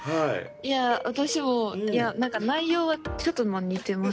いや私もいや何か内容はちょっとまあ似てますけど。